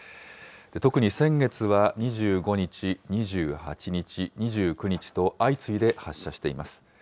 特に先月は２５日、２８日、２９日と、相次いで発射しています。